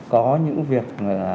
có những việc